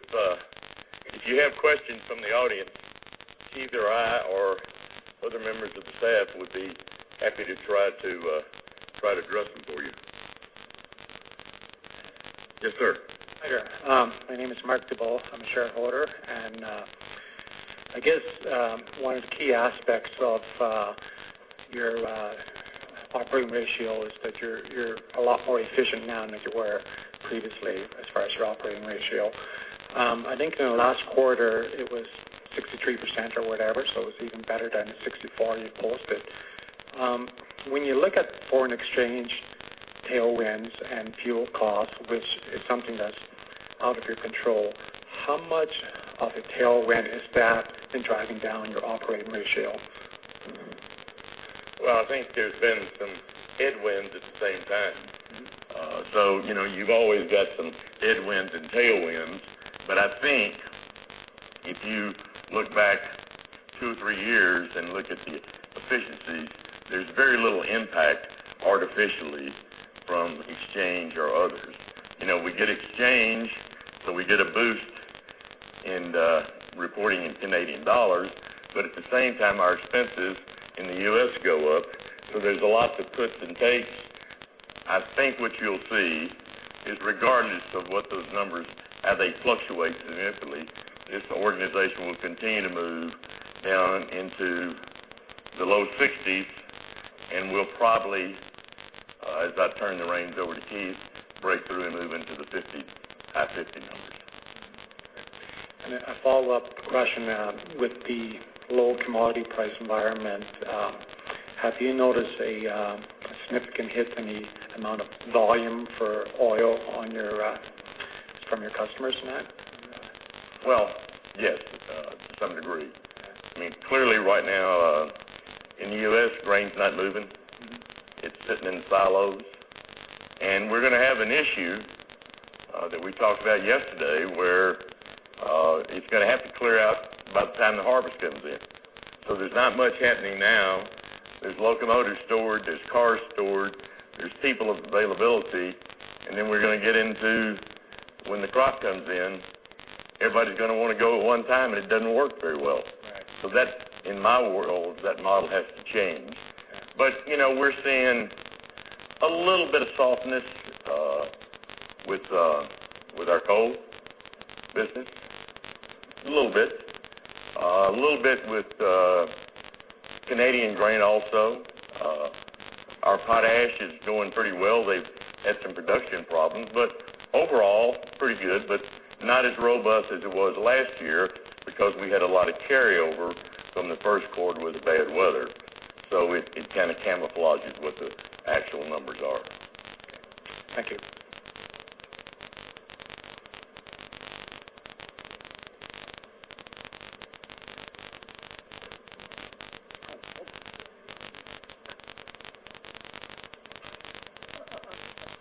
Service, Mr. Chairman? No, if you have questions from the audience, either I or other members of the staff would be happy to try to address them for you. Yes, sir. Hi there. My name is Marc Duguay. I'm a shareholder. I guess one of the key aspects of your operating ratio is that you're a lot more efficient now than you were previously as far as your operating ratio. I think in the last quarter, it was 63% or whatever. It was even better than the 64 you posted. When you look at foreign exchange tailwinds and fuel costs, which is something that's out of your control, how much of a tailwind is that in driving down your operating ratio? Well, I think there's been some headwinds at the same time. So you've always got some headwinds and tailwinds. But I think if you look back two or three years and look at the efficiencies, there's very little impact artificially from exchange or others. We get exchange, so we get a boost in reporting in Canadian dollars. But at the same time, our expenses in the U.S. go up. So there's a lot to puts and takes. I think what you'll see is regardless of what those numbers fluctuate significantly, this organization will continue to move down into the low 60s and will probably, as I turn the reins over to Keith, break through and move into the high 50 numbers. A follow-up question with the low commodity price environment, have you noticed a significant hit in the amount of volume for oil from your customers tonight? Well, yes, to some degree. I mean, clearly, right now, in the US, grain's not moving. It's sitting in silos. And we're going to have an issue that we talked about yesterday where it's going to have to clear out by the time the harvest comes in. So there's not much happening now. There's locomotives stored. There's cars stored. There's people of availability. And then we're going to get into when the crop comes in, everybody's going to want to go at one time, and it doesn't work very well. So in my world, that model has to change. But we're seeing a little bit of softness with our coal business, a little bit, a little bit with Canadian grain also. Our potash is going pretty well. They've had some production problems. But overall, pretty good, but not as robust as it was last year because we had a lot of carryover from the first quarter with the bad weather. So it kind of camouflages what the actual numbers are. Thank you.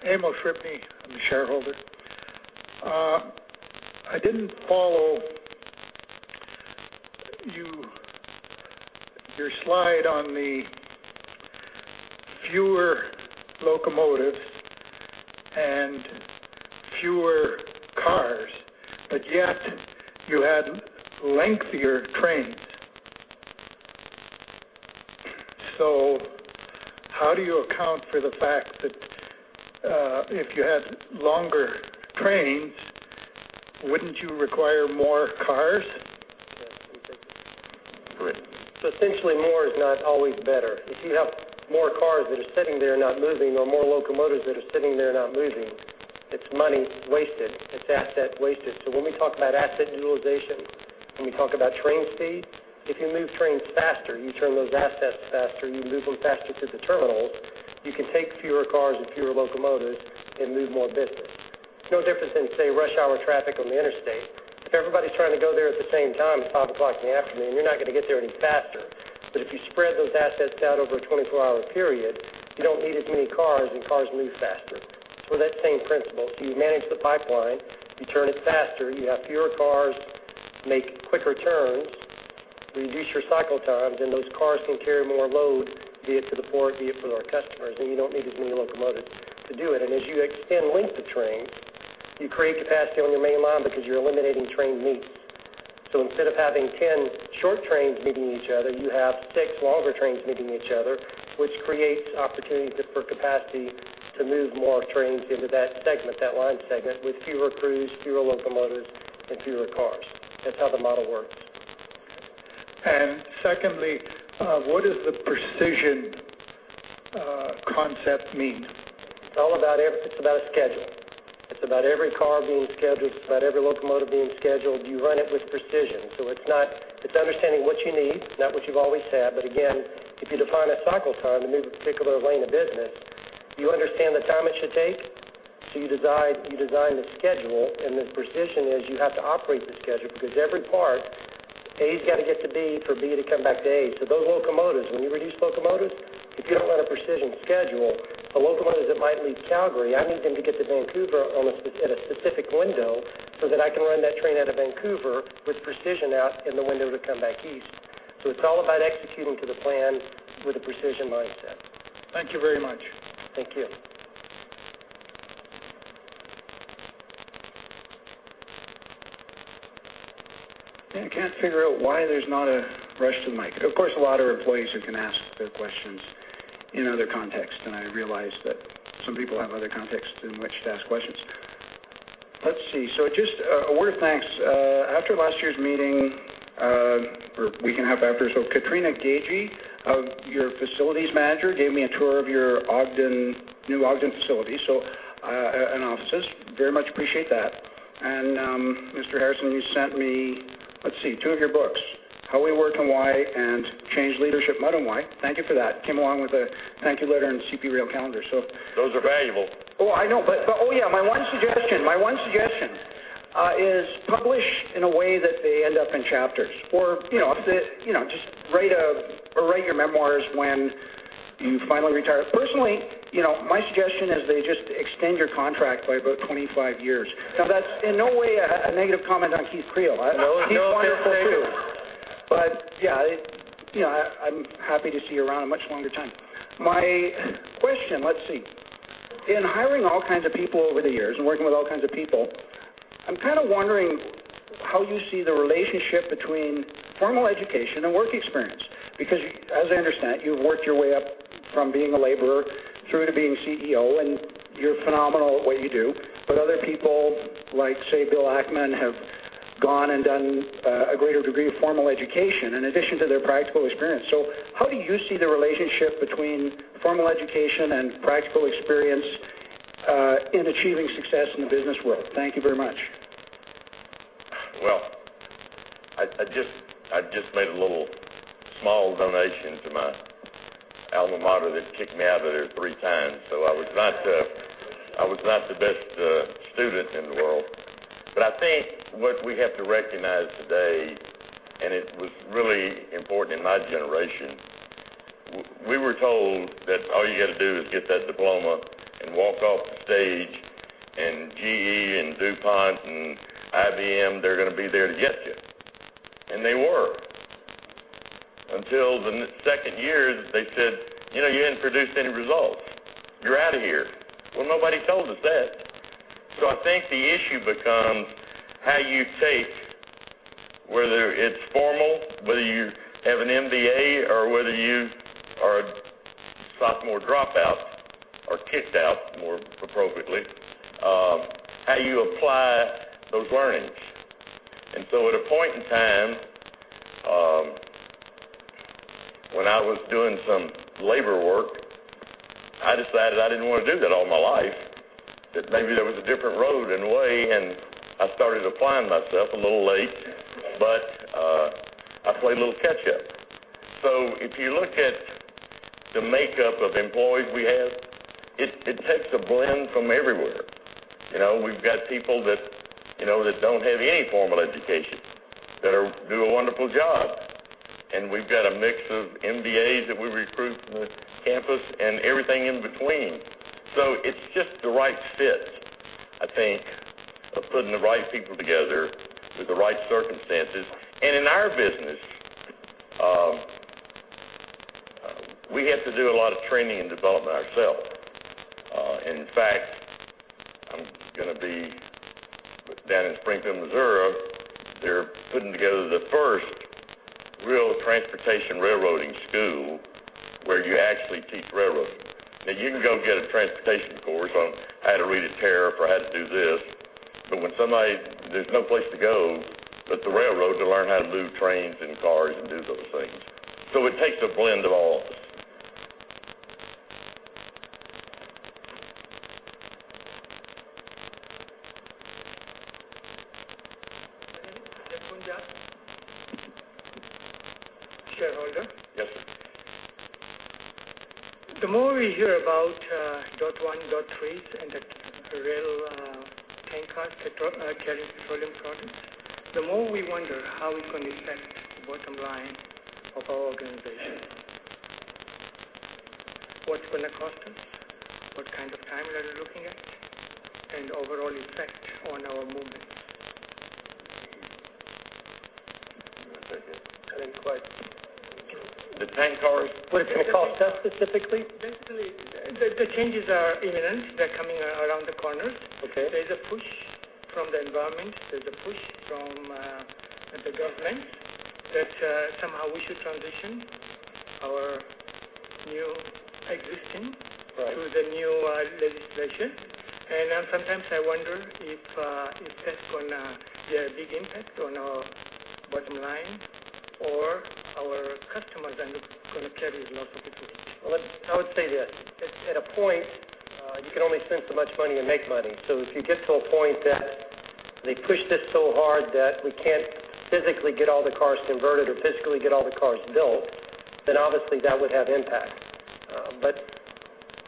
Ammo Shimpney. I'm the shareholder. I didn't follow your slide on the fewer locomotives and fewer cars, but yet you had lengthier trains. So how do you account for the fact that if you had longer trains, wouldn't you require more cars? So essentially, more is not always better. If you have more cars that are sitting there not moving or more locomotives that are sitting there not moving, it's money wasted. It's asset wasted. So when we talk about asset utilization, when we talk about train speed, if you move trains faster, you turn those assets faster. You move them faster through the terminals. You can take fewer cars and fewer locomotives and move more business. It's no different than, say, rush hour traffic on the interstate. If everybody's trying to go there at the same time, it's 5:00 P.M., you're not going to get there any faster. But if you spread those assets out over a 24-hour period, you don't need as many cars, and cars move faster. So that's the same principle. So you manage the pipeline. You turn it faster. You have fewer cars. Make quicker turns. Reduce your cycle times. Those cars can carry more load, be it to the port, be it for our customers. You don't need as many locomotives to do it. As you extend length of trains, you create capacity on your main line because you're eliminating train meets. Instead of having 10 short trains meeting each other, you have 6 longer trains meeting each other, which creates opportunities for capacity to move more trains into that line segment with fewer crews, fewer locomotives, and fewer cars. That's how the model works. Secondly, what does the precision concept mean? It's about a schedule. It's about every car being scheduled. It's about every locomotive being scheduled. You run it with precision. So it's understanding what you need, not what you've always had. But again, if you define a cycle time to move a particular lane of business, you understand the time it should take. So you design the schedule. And the precision is you have to operate the schedule because every part, A's got to get to B for B to come back to A. So those locomotives, when you reduce locomotives, if you don't run a precision schedule, the locomotives that might leave Calgary, I need them to get to Vancouver at a specific window so that I can run that train out of Vancouver with precision out in the window to come back east. So it's all about executing to the plan with a precision mindset. Thank you very much. Thank you. I can't figure out why there's not a rush to the mic. Of course, a lot of our employees who can ask their questions in other contexts. I realize that some people have other contexts in which to ask questions. Let's see. Just a word of thanks. After last year's meeting, or week and a half after, Catrina Gagné, your facilities manager, gave me a tour of your new Ogden facilities and offices. Very much appreciate that. Mr. Harrison, you sent me, let's see, two of your books, How We Work and Why, and Change Leadership Made and Why. Thank you for that. It came along with a thank-you letter and CP Rail Calendar, so. Those are valuable. Oh, I know. But oh yeah, my one suggestion, my one suggestion is publish in a way that they end up in chapters. Or just write your memoirs when you finally retire. Personally, my suggestion is they just extend your contract by about 25 years. Now, that's in no way a negative comment on Keith Creel. He's wonderful too. But yeah, I'm happy to see you around a much longer time. Let's see. In hiring all kinds of people over the years and working with all kinds of people, I'm kind of wondering how you see the relationship between formal education and work experience. Because as I understand it, you've worked your way up from being a laborer through to being CEO. You're phenomenal at what you do. Other people like, say, Bill Ackman have gone and done a greater degree of formal education in addition to their practical experience. How do you see the relationship between formal education and practical experience in achieving success in the business world? Thank you very much. Well, I just made a little small donation to my alma mater that kicked me out of there three times. So I was not the best student in the world. But I think what we have to recognize today, and it was really important in my generation, we were told that all you got to do is get that diploma and walk off the stage. And GE and DuPont and IBM, they're going to be there to get you. And they were. Until the second year, they said, "You didn't produce any results. You're out of here." Well, nobody told us that. So I think the issue becomes how you take whether it's formal, whether you have an MBA, or whether you are a sophomore dropout or kicked out, more appropriately, how you apply those learnings. At a point in time, when I was doing some labor work, I decided I didn't want to do that all my life, that maybe there was a different road and way. I started applying myself a little late. But I played a little catch-up. If you look at the makeup of employees we have, it takes a blend from everywhere. We've got people that don't have any formal education that do a wonderful job. We've got a mix of MBAs that we recruit from the campus and everything in between. It's just the right fit, I think, of putting the right people together with the right circumstances. In our business, we have to do a lot of training and development ourselves. In fact, I'm going to be down in Springfield, Missouri. They're putting together the first real transportation railroading school where you actually teach railroading. Now, you can go get a transportation course on how to read a tariff or how to do this. But when somebody, there's no place to go but the railroad to learn how to move trains and cars and do those things. So it takes a blend of all of us. Shareholder? Yes, sir. The more we hear about DOT-111s, and the rail tank cars, carrying petroleum products, the more we wonder how it's going to affect the bottom line of our organization. What's going to cost us? What kind of timeline are you looking at? And overall effect on our movement? I didn't quite. The Tank Cars? What it's going to cost us specifically? Basically, the changes are imminent. They're coming around the corners. There's a push from the environment. There's a push from the government that somehow we should transition our existing to the new legislation. Sometimes I wonder if that's going to be a big impact on our bottom line or our customers are going to carry loss of equity. Well, I would say this. At a point, you can only spend so much money and make money. So if you get to a point that they push this so hard that we can't physically get all the cars converted or physically get all the cars built, then obviously, that would have impact. But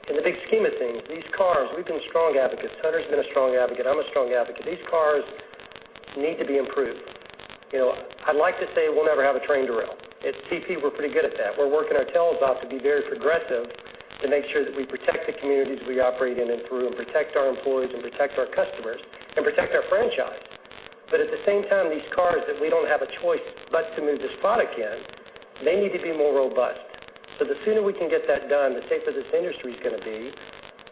in the big scheme of things, these cars, we've been strong advocates. Hunter's been a strong advocate. I'm a strong advocate. These cars need to be improved. I'd like to say we'll never have a train derail. At CP, we're pretty good at that. We're working ourselves out to be very progressive to make sure that we protect the communities we operate in and through and protect our employees and protect our customers and protect our franchise. But at the same time, these cars that we don't have a choice but to move this product in, they need to be more robust. So the sooner we can get that done, the safer this industry's going to be,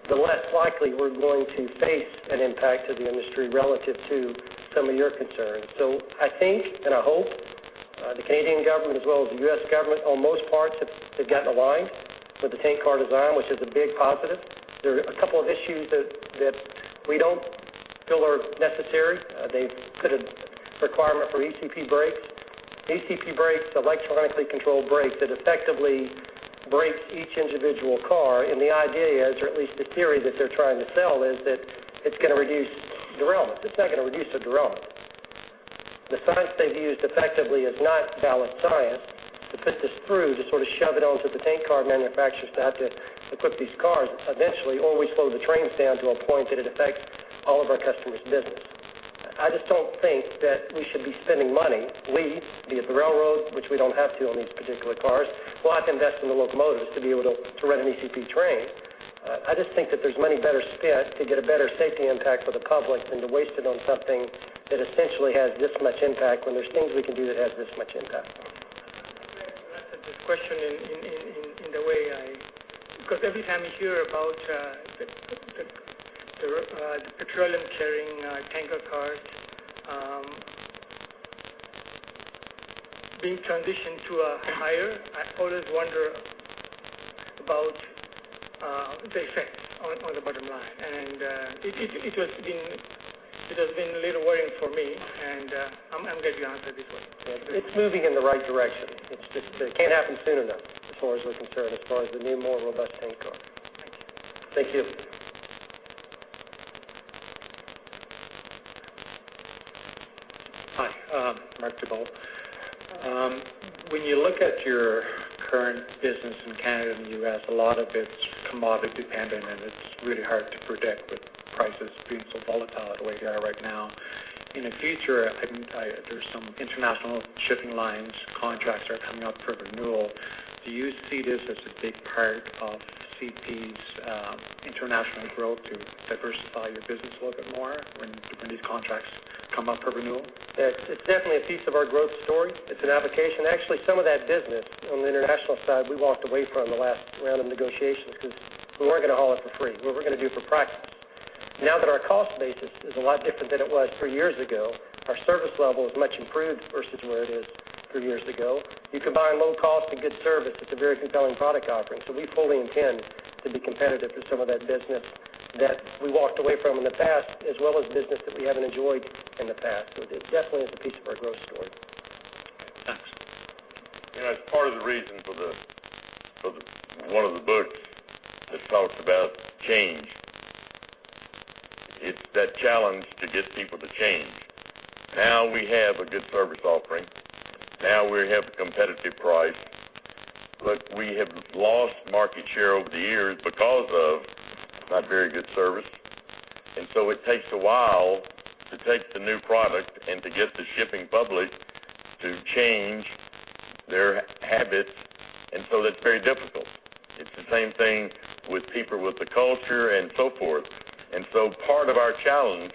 the less likely we're going to face an impact to the industry relative to some of your concerns. So I think and I hope the Canadian government as well as the U.S. government, on most parts, they've gotten aligned with the tank car design, which is a big positive. There are a couple of issues that we don't feel are necessary. They've put a requirement for ECP brakes. ECP brakes, electronically controlled brakes that effectively brake each individual car. And the idea is, or at least the theory that they're trying to sell, is that it's going to reduce derailments. It's not going to reduce the derailments. The science they've used effectively is not valid science to put this through, to sort of shove it onto the tank car manufacturers to have to equip these cars. Eventually, or we slow the trains down to a point that it affects all of our customers' business. I just don't think that we should be spending money. We, be it the railroad, which we don't have to on these particular cars, we'll have to invest in the locomotives to be able to run an ECP train. I just think that there's money better spent to get a better safety impact for the public than to waste it on something that essentially has this much impact when there's things we can do that have this much impact. That's a good question in the way I because every time we hear about the petroleum-carrying tanker cars being transitioned to a higher, I always wonder about the effects on the bottom line. And it has been a little worrying for me. And I'm going to answer it this way. It's moving in the right direction. It can't happen soon enough as far as we're concerned, as far as the new, more robust tank car. Thank you. Thank you. Hi. Mark Dubolt. When you look at your current business in Canada and the U.S., a lot of it's commodity-dependent. And it's really hard to predict with prices being so volatile the way they are right now. In the future, there's some international shipping lines contracts that are coming up for renewal. Do you see this as a big part of CP's international growth to diversify your business a little bit more when these contracts come up for renewal? It's definitely a piece of our growth story. It's an application. Actually, some of that business on the international side, we walked away from the last round of negotiations because we weren't going to haul it for free. What we're going to do for practice. Now that our cost basis is a lot different than it was three years ago, our service level is much improved versus where it is three years ago. You combine low cost and good service. It's a very compelling product offering. So we fully intend to be competitive for some of that business that we walked away from in the past as well as business that we haven't enjoyed in the past. So it definitely is a piece of our growth story. Thanks. As part of the reason for one of the books that talks about change, it's that challenge to get people to change. Now we have a good service offering. Now we have a competitive price. But we have lost market share over the years because of not very good service. And so it takes a while to take the new product and to get the shipping public to change their habits. And so that's very difficult. It's the same thing with people with the culture and so forth. And so part of our challenge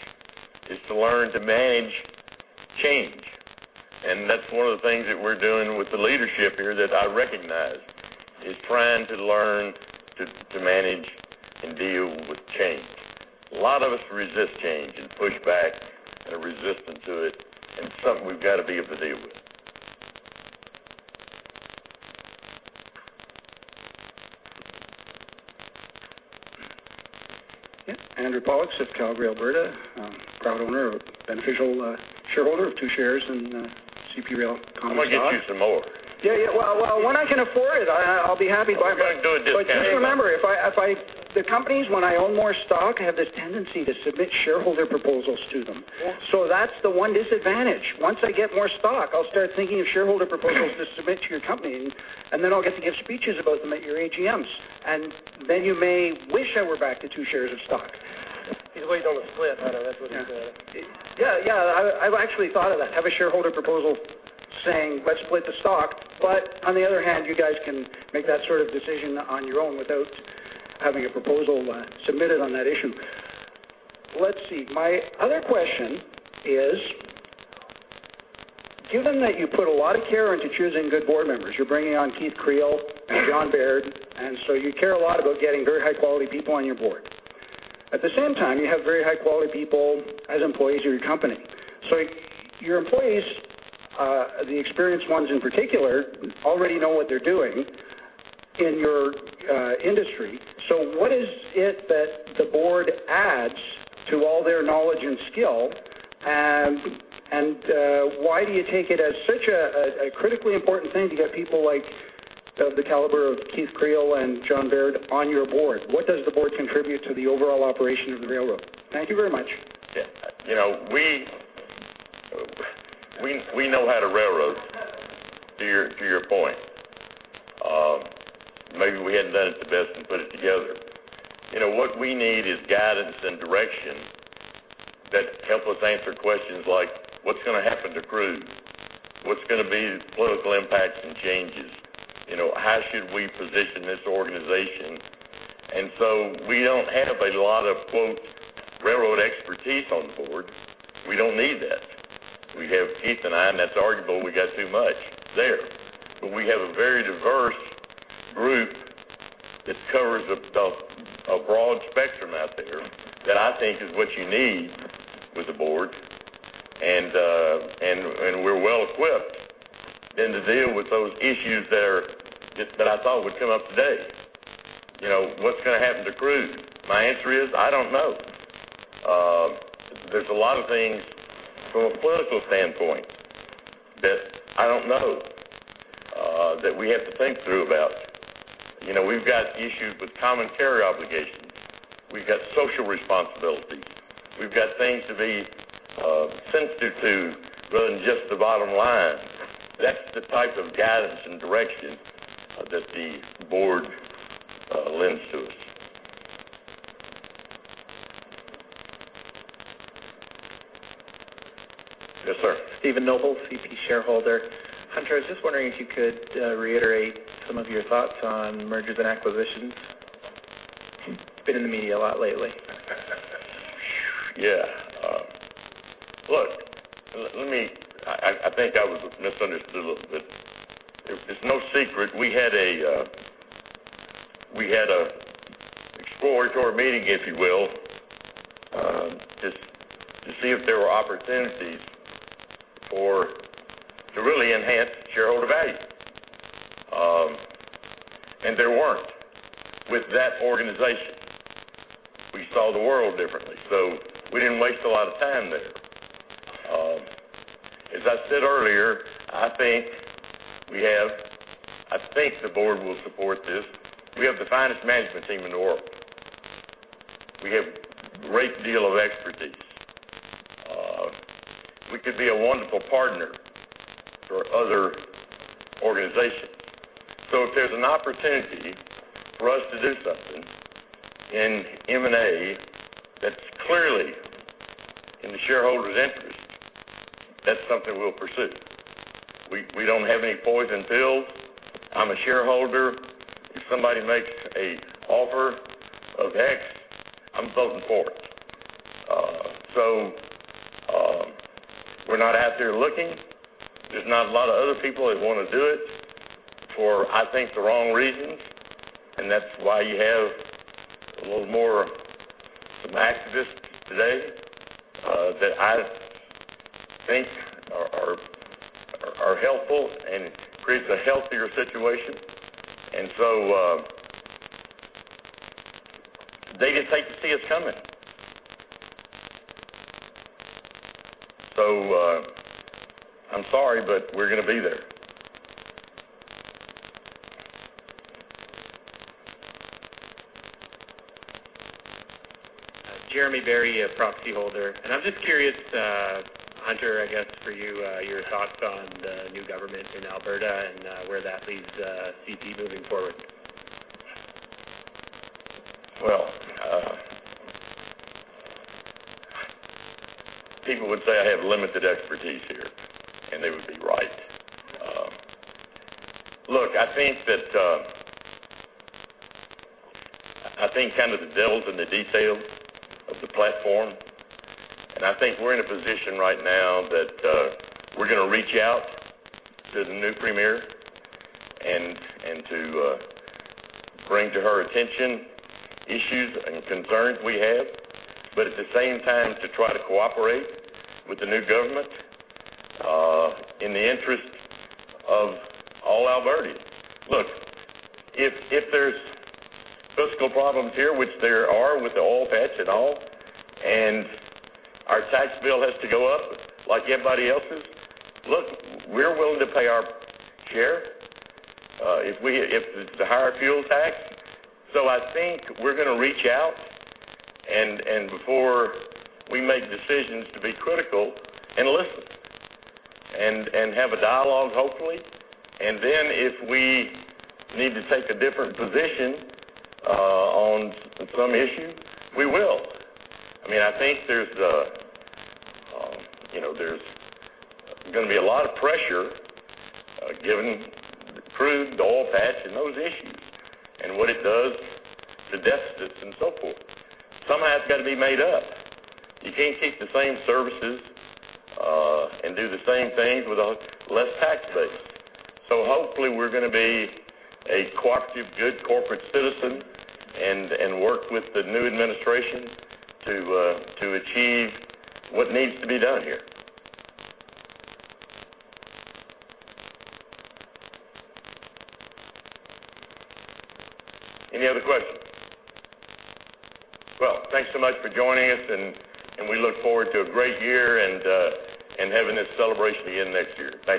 is to learn to manage change. And that's one of the things that we're doing with the leadership here that I recognize is trying to learn to manage and deal with change. A lot of us resist change and push back and are resistant to it. It's something we've got to be able to deal with. Yeah. Andrew Pollock, Calgary, Alberta. Proud owner and beneficial shareholder of 2 shares in CP Rail common shares. I'm going to get you some more. Yeah, yeah. Well, when I can afford it, I'll be happy to buy more. I'm going to do it this way. Just remember, the companies, when I own more stock, I have this tendency to submit shareholder proposals to them. That's the one disadvantage. Once I get more stock, I'll start thinking of shareholder proposals to submit to your company. Then I'll get to give speeches about them at your AGMs. Then you may wish I were back to two shares of stock. He's way down the split, Hunter. That's what he said. Yeah, yeah. I've actually thought of that, have a shareholder proposal saying, "Let's split the stock." But on the other hand, you guys can make that sort of decision on your own without having a proposal submitted on that issue. Let's see. My other question is, given that you put a lot of care into choosing good board members, you're bringing on Keith Creel and John Baird. And so you care a lot about getting very high-quality people on your board. At the same time, you have very high-quality people as employees of your company. So your employees, the experienced ones in particular, already know what they're doing in your industry. So what is it that the board adds to all their knowledge and skill? Why do you take it as such a critically important thing to get people of the caliber of Keith Creel and John Baird on your board? What does the board contribute to the overall operation of the railroad? Thank you very much. Yeah. We know how to railroad, to your point. Maybe we hadn't done it the best and put it together. What we need is guidance and direction that help us answer questions like, "What's going to happen to crew? What's going to be political impacts and changes? How should we position this organization?" And so we don't have a lot of "railroad expertise" on the board. We don't need that. We have Keith and I, and that's arguable. We got too much there. But we have a very diverse group that covers a broad spectrum out there that I think is what you need with the board. And we're well-equipped then to deal with those issues that I thought would come up today. What's going to happen to crew? My answer is, I don't know. There's a lot of things from a political standpoint that I don't know that we have to think through about. We've got issues with common carrier obligations. We've got social responsibilities. We've got things to be sensitive to rather than just the bottom line. That's the type of guidance and direction that the board lends to us. Yes, sir. Stephen Noble, CP shareholder. Hunter, I was just wondering if you could reiterate some of your thoughts on mergers and acquisitions. It's been in the media a lot lately. Yeah. Look, I think I was misunderstood a little bit. It's no secret. We had an exploratory meeting, if you will, just to see if there were opportunities to really enhance shareholder value. And there weren't with that organization. We saw the world differently. So we didn't waste a lot of time there. As I said earlier, I think the board will support this. We have the finest management team in the world. We have a great deal of expertise. We could be a wonderful partner for other organizations. So if there's an opportunity for us to do something in M&A that's clearly in the shareholders' interest, that's something we'll pursue. We don't have any poison pills. I'm a shareholder. If somebody makes an offer of X, I'm voting for it. So we're not out there looking. There's not a lot of other people that want to do it for, I think, the wrong reasons. And that's why you have a little more some activists today that I think are helpful and creates a healthier situation. And so they just hate to see us coming. So I'm sorry, but we're going to be there. Jeremy Berry, proxy holder. I'm just curious, Hunter, I guess, for you, your thoughts on the new government in Alberta and where that leads CP moving forward? Well, people would say I have limited expertise here. They would be right. Look, I think kind of the details of the platform and I think we're in a position right now that we're going to reach out to the new premier and to bring to her attention issues and concerns we have, but at the same time, to try to cooperate with the new government in the interest of all Albertans. Look, if there's fiscal problems here, which there are with the oil patch and all, and our tax bill has to go up like everybody else's, look, we're willing to pay our share if it's the higher fuel tax. I think we're going to reach out. Before we make decisions to be critical and listen and have a dialogue, hopefully. Then if we need to take a different position on some issue, we will. I mean, I think there's going to be a lot of pressure given the crew, the oil patch, and those issues and what it does to deficits and so forth. Somehow, it's got to be made up. You can't keep the same services and do the same things with a less tax base. So hopefully, we're going to be a cooperative, good corporate citizen and work with the new administration to achieve what needs to be done here. Any other questions? Well, thanks so much for joining us. And we look forward to a great year and having this celebration again next year. Bye.